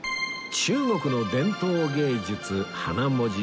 中国の伝統芸術花文字